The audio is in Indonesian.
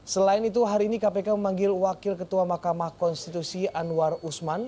selain itu hari ini kpk memanggil wakil ketua mahkamah konstitusi anwar usman